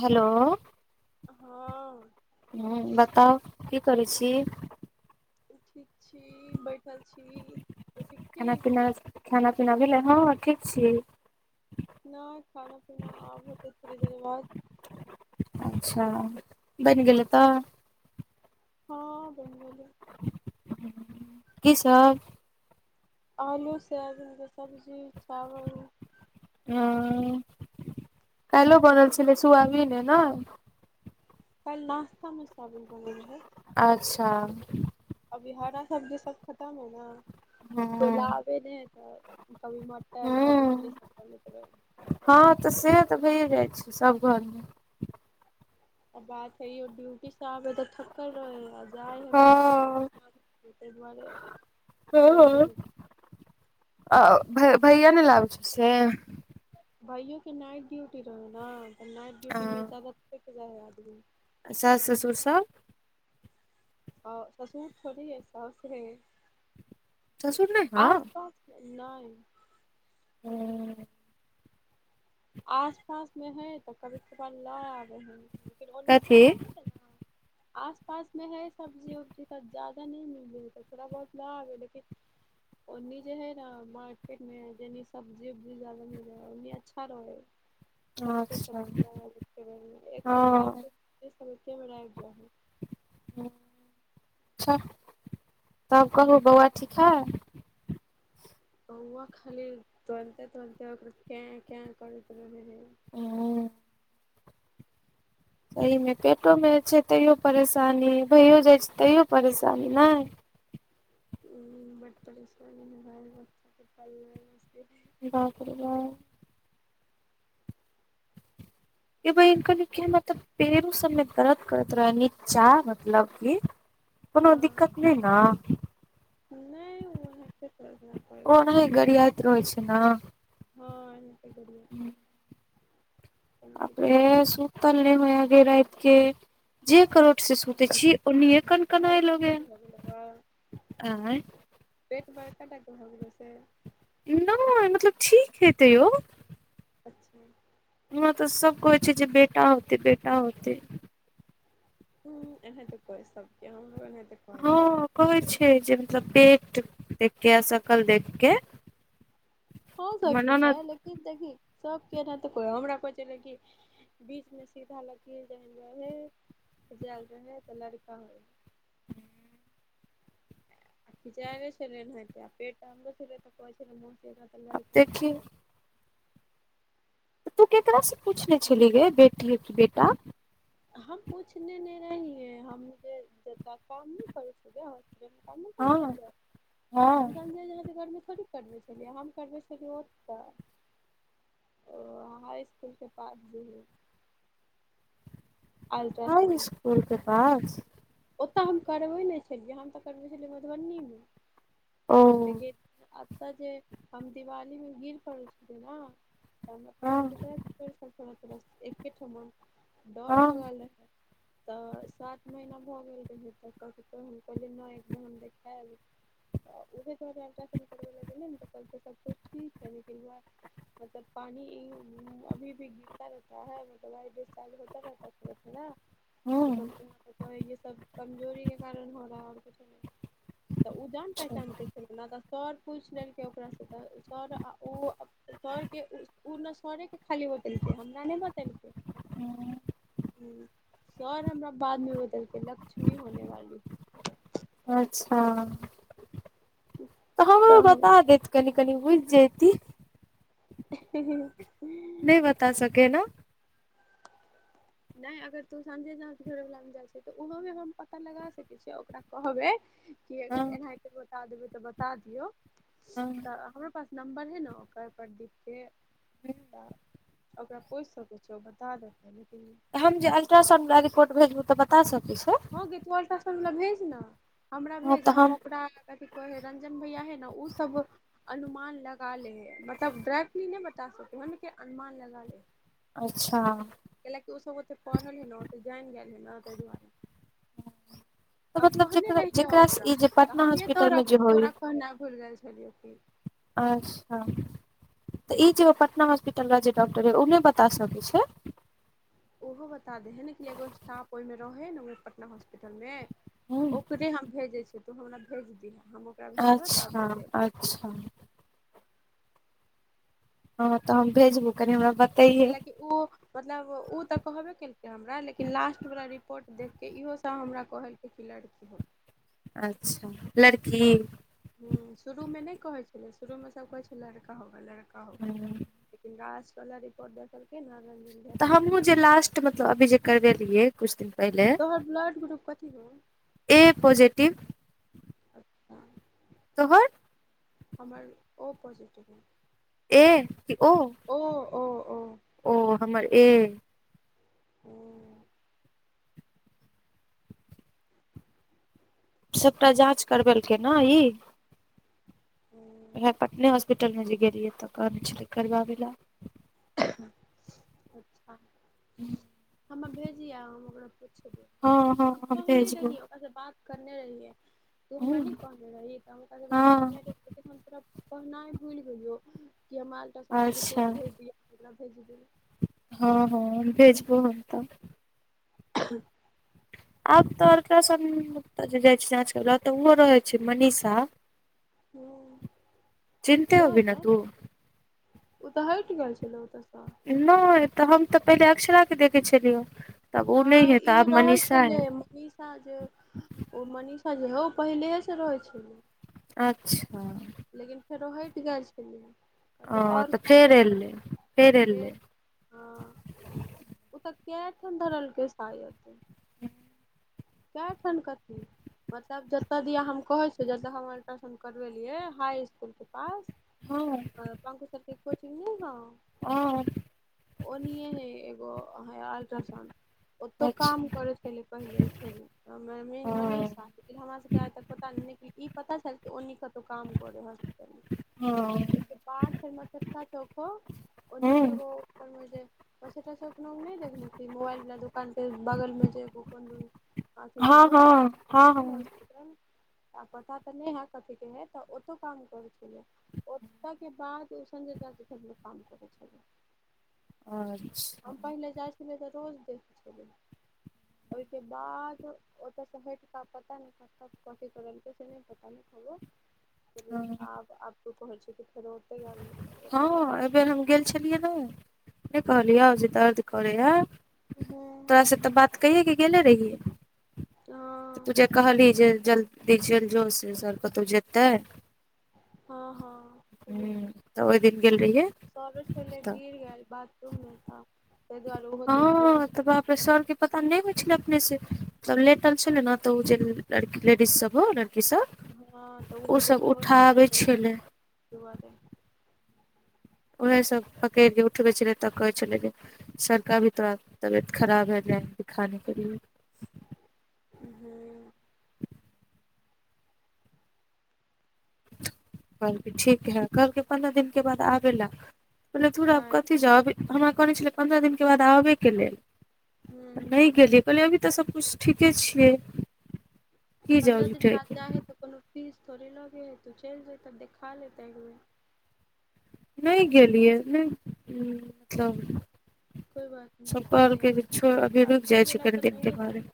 Hello. हां। हुं बताउ की करै छी। ठीक छी, बैठल छी। त ठीक छी खाना-पीना, खाना-पीना भेलै हां ठीक छी। नै खाना-पीना आब हेतै थोड़ी देर बाद। अच्छा बैन गेलै तऽ। हां बैन गेलै। की सब। आलू सोयाबिन के सब्जी, चावल। हां काएलो बनल छलै सुयाबिने ना। काएल नाश्ता मे सोयाबीन बनल रहै। अच्छा। अभी हरा सब्जी सब खतम है ना। ह को लागै ने तऽ कभी मटर कभी [unintelligible] हां तऽ से तऽ भये जाय छै सब घर मे। अ बात हय इहो ड्यूटी से आबै तऽ थकल रहल या आ जाय हय हँ मार्केट [unintelligible] तै दुआरे अभी एबे नै अ-अ भ-भैया नै लाबै [unintelligible] से। भैये के नाइट ड्यूटी रहै ना तऽ नाइट डूटी मे जादा थैक जाय हय आदमी। आ सास-ससुर सब अ ससुर थोड़ी हय, सौस रहे ससुर नहि आस-पास नै। हुं। आस-पास मे हय त कभी-कभार ला आबै हय। फेर ओनहि से [unintelligible] कथी ना। आस-पास मे हय सब्जी-उब्जी तऽ जादा नै मिलै हय तऽ थोड़ा बहुत ला आबै लै लेकिन ओन्नी जे है ना मार्केट मे जनी सब्जी-उब्जी जादा मिलै है उन्नी अच्छा परौर, सब कुछ अच्छा [unintelligible] एक सप्ताह हँ के [unintelligible] मे रह जाही। अच्छा तब कहु बौअवा ठीक हय। बौअवा खाली तुरंते-तुरंते ओकरा कैं-कैं करैत रहै हय। ओ। एमे पेटो मे छै तै यो परेशानी भैयो जाय छै तैयौ परेशानी नै। [unintelligible] बाप रे बाप। ए बहिन कहली कि हमर ते पैरो सब मे दरद करत रहनी निचा मतलब कि कुनो दिक्कत नै ना। नै उ ओन्हेतो [unintelligible] रहत [unintelligible] रहै छै ना। हां ए मे [unintelligible] द दियौ। अपने दिक्कत होयत सूतल नै होयया जे रात के। जे करोट से सुते छी ओनिये कन कनाय बड़का पेट भऽ गेलौ लगैया एं। पेट बड़काटा के भ गेलौ से। नय मतलब ठीक हेतै यौ अच्छा यहाँ तऽ सब कहइ छै जे बेटा होतै बेटा होतै हं एनाहिते को सबके हमरो एनाहिते कहै हँ छलै कहै छै जे मतलब पेट देख के शकल देख के हो हमर सकै है ननद लेकिन देखी सब के एनहिते कोइ हमरा कहइ छलइ कि बीच में सीधा लकीर रहे [unintelligible] जैल रहे तऽ लड़का होय [unintelligible] छलैन हैं तऽ पेट अंदर छलै तऽ कहय छल म तऽ आब लड़की देखी तू केकरासँ पूछने छलिह गइ बेटी हय कि बेटा हम पूछने ने रहियइ है हम जे- जेत काम नइ करइ छल हँ हँ [inaudible] करबे छलियै हम करबे छलियै ओतऽ ओ हाई इसकुल के पास जे हइ अल्ट्रासाउंड इकूलके पास ओतय हम करबै नइ छलियै हम तऽ करबै छलियै मधबनीमे ओ लेकिन अतऽ जे हम दिवालीमे गिर पड़ल छली न त हमरा हँ पेरमे दर्द [inaudible] एके ठमा डर हँ हो गेल रहे तऽ सात महीना भऽ गेल रहै तऽ हम कहलियइ नइ एकबे हम देखैब तऽ उहे [unintelligible] करबै लए गेलै न तऽ कहल्कई सबकुछ ठीक हय लेकिन वैह मतलब पानी इ अभी भी गिरता रहता है मतलब [unintelligible] होता रहता न्य त हँ [unintelligible] त ये सब कमजोरी के कारण हो रहा है और कुछो नहि तऽ उ जान पहचान के न तऽ सर पुइछ लेलकै ओकरासँ तऽ सर आ ओ सरके उ ने सड़े के खाली बतेल कय हमरा नइ बतेलकय हँ हं सर हमरा बादमे बतेलकइ लक्ष्मी होने वाली है अच्छा तऽ हमरो बता देत कनि कनि बुइझ जैती हीं हीं नय बता सकेय ना नय अगर तू साँझे जाहाँ घैवलामे जाइ छै। तऽ ओहोमे हम पता लगा सकै छियै ओकरा कहबै कि हँ अगर एनाहिते बता देबै तऽ बता दियौ हँ तऽ हमर पास नम्बर है न ओकर प्रदीप के तऽ ओकरा पोइछ सकै छ ओ बता देतै लेकिन हम जे अलट्रासाउंड वला रिपोर्ट भेजबौ तऽ बता सकै छै? हँ गय तू अल्ट्रासाउण्डवला भेज न हमरा हँ भेज तऽ हम ओकरा कथि कहै हय रंजन भैया है न उ सब अनुमान लगा लय हैं मतलब ड्रैकटली नइ बता सकै ह लेकिन अनुमान लगा लय हय अच्छा कइलकि ओसब ओते पढ़ल हय न ओते जाइन गेल हय न तय दुआरे तऽ हम मतलब कहने जेकरा रहियै जेकरा से ओकरा ई जे तऽ पटना हमहीहे हॉस्पिटल तोहरा मे जे होय तोरा कहनाइ भुल गेल छलियौ कि अच्छा तऽ ई जे उ पटना हॉस्पिटल वला डॉक्टर रहे उ नइ बता सकै छै? उहो बता दै हइ ने की एगो स्टाफ ओहिमे रहै हइ न पटना हॉस्पिटलमे ओकरे हम भेजै छियै, तू हमरा भेज दिहऽ हम ओकरा भेजबह तऽ अच्छा बतेबह। अच्छा हां तऽ हम भेजबौ कनि हमरा बत ऐय ला के ओ मतलब उ तऽ कहबे केलकै, हमरा लेकिन लास्टवला रिपोर्ट देखिके इहो से हमरा कहल की लड़की हो अच्छा लड़की हूॅं शुरूमे नै कहै छलै शुरूमे सभ कहै छैय, लड़का होगा, लड़का होगा। लेकिन लास्ट वला रिपोर्ट देखल के नै ऽ मतलब अभी जे करबेेलियए कुछ दिन पहिले तोहर ब्लड ग्रुप कथी हो। ए पॉजेटिव अच्छा तोहर हमर ओ पॉजेटिव हइ। ए की ओ ओ-ओ -ओ ओ हमर ए। हूॅं सभटा जाँच करबेलकै नेय ई हूँ उएह पटने हॉस्पिटलमे जे गेलियै तऽ कहने छलै करबाबै लए। अच्छा हमरा भेजिए हम ओकरा पूछबे। हँ हँ हम कहने भेजबौ रहिए ओकरा से बात करने रहियै, तू हमरा नै कहने रहियै तऽ स बात हँ करने रहि। लेकिन हम तोरा कहनाइ भूलि गेलियौ की हमरा अल्ट्रासाउण्डके अच्छा रिपोर्ट भेज दिअ। मतलब भेजि दे। हां हां भेजबो हम तऽ। ह [inaudible] आब तऽ अल्ट्रासाउण्डऽ जे ओते जाइ छै, जाँच करैला तऽ ओहो रहै छैय, मनीषा। हूँ चिन्हते होबी ने तू। उ तेय हटि गेल छलै, ओतऽसे। नै तऽ हम तऽ पहिले अक्षरा के देखै छलियै। नैय ई रहै छलै। मनीषा जे ओ मनीषा जे हौ पहिलेसे रहै छलै। अच्छा लेकिन फेरो हइट जाइ छलै। कतोऽ ओ और तऽ काम फेर करतै एलै ते फेर एलै हां उ तऽ कए ठाम धरलकै सायत। कए ठन कते। मतलब जतऽ दिआ हम कहै छियै जतय हम अल्ट्रासाउण्ड करबेलियै हाई इसकुलके पास हां आ पंकु सर के कोचिंग नै हए। आह ओ नहिए हे एगो अह अल्ट्रासाउंड ओतहु काम अच्छा करै छलियै पहिले। छौंडी। मे- हँ मेनमनीषा, हमरा सबके आइ तक पता नय कि, ई पता छल कि ओनी कतौऊ काम करैहय। हँ [unintelligible] चौखो, ओन्नी हँ एगो पर मे जे, कय छथिन सप् हम नय देखने छी, मोबाइल वला दोकान के बगल में जे कोनदन बाकी हँ सभहो हँ हँ [unintelligible] हॉस्पिटल। आ पता तऽ नयहै कथीके हय तऽ ओतौ काम करै छलय। ओत्त के बाद ओ संजय चा के [unintelligible] काम करै छलै। [inaudible] अच्छा हम पहिले जाइ छलै तऽ रोज देख छलियै, ओय के बाद ओतऽ स हैट क पता नय कत कथी करलकय से नय पता [unintelligible] ओ हँ [unintelligible] गेल हँ अयबेर हम गेल छलियै नय, नय कहलियौ जे दर्द करैहय। हेतै हूँ तोरास तऽ बात कैये के गेले रहियय। [inaudible] त तु जेे कहली जे जल्दी चैल जो से सर कतौउ जेतै। हँ- हँ- हुं तऽ ओय दिन गेल रहियै त अबय छलय तऽ गिर गेल बाथरूम मे त हँ -त बाप्- सर के पता नय, नय होइ छलै अपने से, त लेटल छलै ने त उ जे लडकी, लेडीज सब होउ लड- हँ तऽ ओहो देखबये लय उठाबै जयतय, छलै दुआरे उएह सभ पकैड़ क उठबै छलै तऽ कहै छलै जे [unintelligible] ह हूँ कहलकै ठीक है, कहलके पन्द्रह दिन के बाद आबैलय, कलियै धुर आब आँय कथी जाउ अभी हमरा कहने छलै पन्द्रह दिनक के बाद आबयके लेल। हूँ नय गेलियै। कहलियै अभी तऽ सबकुछ ठीके छियै। की जाउ पन्द्रह दिन बाद झुठेके। जाइ हइ तऽ कोनो फीस थोड़े लगे हइ तुऽ चइल जेतैं, देखा लेतैं एकबेर। नय गेलियै, नै [inaudible] मतलब कोय बात नहि सब छोड़ दही कहलकय अभी जेछोइ, अभी रुइक आबि जाइ छै गेला कनि तऽ दिन के नहिये बारे जो में,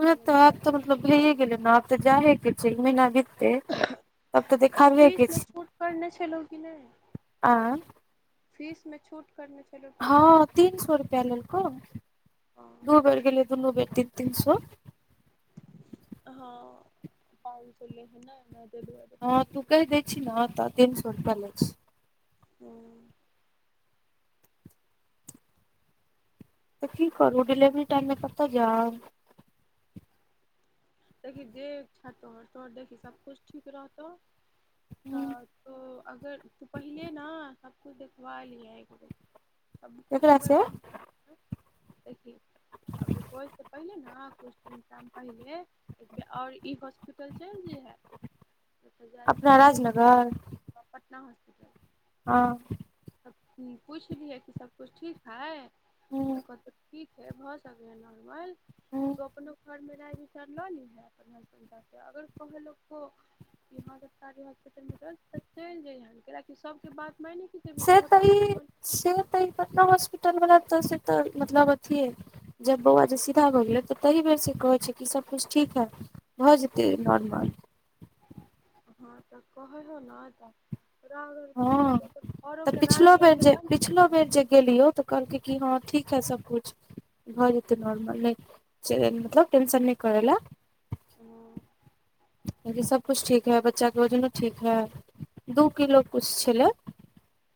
ओ तऽ मेन बात आब तऽ छै। मतलब भैयै गेलै न, आबऽ जाहे के छै। अय महीना देख- फीसमे छै छूट करने छलौ की नय? आ फीस में छूट करने? हँ तीन सौ रुपैया लेलकौ। हँ दू बेर ठीक गेलै, दुनू बेकती तीन सौ हँ, पान सौ लयहयने हँ तू कैह दै छि ने तऽ तीन स रुपैआ लै छय। हूँ- तऽ की करू? डिलेवरी टाईममे कत्तऽ जाउ? देखही जे इक्छा तोहर, तोहर देखही सभकुछ ठीक रहतौ हूँ तऽ तो अगर, तो पहिले ने सबकुछ देखबा लिहें एकबेर। सब कुछ केकरा अगर से बढ़िआँ हैतौ त देखी होइसे पहिले ना कुछ्- तिन टाइम पहिले, एक बेर और ई हॉस्पिटल चैइल जैहें। अपना राजनगर? पटना हॉस्पिटल। हँ। अ पुछलियै कि सबकुछ ठीक है हूँ तऽ कहतौ ठीक। फेर भऽ सकलैँ नॉर्मल हूँ ज अपनो घरमे राय बिचार लऽ ली। सुने अगर कह लोक को। यहाँ सरकारी हॉस्पिटलमे जाउ तऽ चलि जइहन कियाकि सबके बात माइन। से तऽ ई से तऽ कतना हॉस्पिटलवला तऽ से तऽ मतलब अथि हइ। जब बौआ जे सीधा भऽ गेलै तऽ तही बेर से कहै छै कि सभकुछ ठीक है। भ जेतै नॉर्मल। हँ तऽ कहे हो न तऽ। र देख हँ अरोे तऽ के राय पिछलो ल बेर के जे तब ने। पिछलो बेर जे गेलियौ तऽ कहलकै कि हँ ठीक है सब कुछ। भऽ जेतै नॉर्मल नहि मतलब टेंशन नहि करय लए। हं। ई सब कुछु ठीक है बच्चा के वजनो ठीक है दू किलो कुछ छले।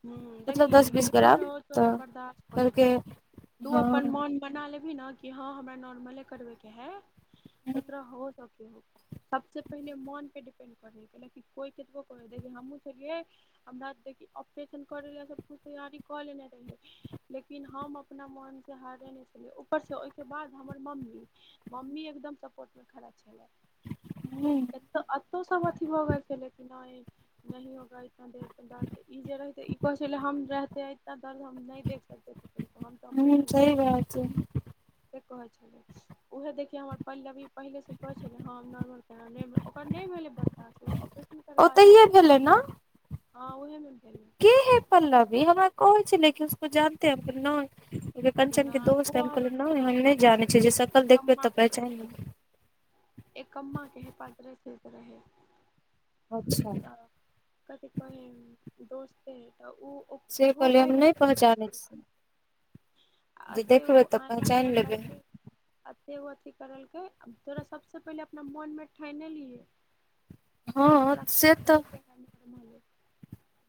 हं देखही निर्भर ग्राम हो तोरा तऽ बर्दाास्त करे कहलकै पर तू हँ अपन मन। बना लेबही न कि हँ हमरा नॉर्मले करबैके है त हूँ तोरा हो सबके हो। सबसँ पहिने मोन पे डिपेंड करलै कि कोइ कतबो करै देख हमहूँ छलियै। हमरा देखि ऑपरेशन कर लै सब कुछ तैयारी कऽ लेने रहियै। लेकिन हम अपना मोन से हारे नहि छलिय ऊपर से ओहिके बाद हमर मम्मी। मम्मी एकदम सपोर्ट मे खरा छलै। ह्मं। त अतौ सब अथी भ गेल छलै की नई नही होगा इतना देर र्दद। जे रहते ई कहैे छलै हम रहते इतना दर्द हम नहि देख सकते थे तुमको हम। हूँ ऑपरेशन करते सही बात छै से कहे छलै। उएह देखियै हमर पलवी पहिलेसँ कहै छलै हँ नॉर्मल केना ओकर नहि भेलै भ। ऑपरेशन करबा ओतहिये लेलकै भेलै न हँ उहे मे भेले। के है पल्लवी हमरा कहै छलै लेकिन उसको जानतेै हैं हम कहलीए नई। कंचन के नहि दोस्त है ओ हम हमर कहलीए नई हम नहि दोस्त जाने रहै छीै जे सकल देखबे एकम्मा तऽ पहचान लेब। एकम्म के हे पातरे स के रहे। अच्छा। त कभी कहइ दोस्त है तऽ ओ। से ओहो कहलियै हम पहिले नहि से पहचाने छी। आ जे एते देखबै तऽ पहचाइन लेबै। अथे ओ अथी करलकै तोरा सबस पहिले अपना मोन मे ठाइने लिहै। हँ की हमरा। से [unintelligible]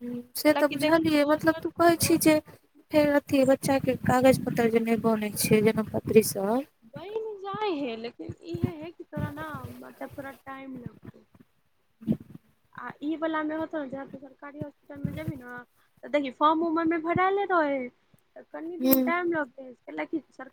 ह से तऽ कैलाकि देख बुझलियै मतलब दोसर तू कहै छी दोसर जे। आदमी फेर अथी बच्चा के कागज पत्तर जे नई बनै छै जनम पत्री सब। बनि जाइ हे लेकिन इएहे है कि तोरा न मतलब थोरा टाइम लग। आ ई वला मे होतो जेना तु सरकारी। हास्पिटल मे जेबी न तऽ देखही फर्म उमरमे फराले रहै है। तऽ कनी दिन हूँ टाइम लगते ह कइला की सरकार।